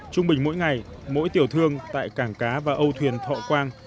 trung bình mỗi ngày mỗi tiểu thương tại cảng cá và âu thuyền thọ quang